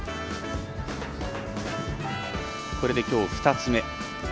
これできょう２つ目。